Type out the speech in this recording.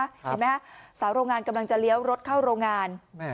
เห็นไหมฮะสาวโรงงานกำลังจะเลี้ยวรถเข้าโรงงาน